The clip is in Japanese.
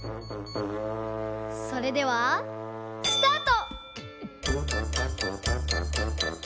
それではスタート！